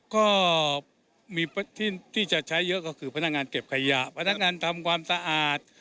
ก็มีที่จะใช้เยอะก็คือพนักงานเก็บขยะพนักงานทำความสะอาด